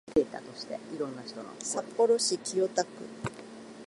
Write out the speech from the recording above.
札幌市清田区